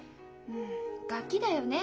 うんガキだよね